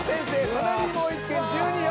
隣にもう一軒１２票！